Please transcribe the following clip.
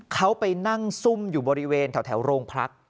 เขาไปนั่งซุ่มอยู่บริเวณแถวโรงพัก